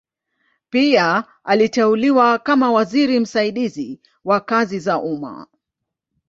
Pia aliteuliwa kama waziri msaidizi wa kazi za umma.